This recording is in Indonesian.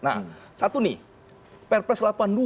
nah satu nih perpres delapan puluh dua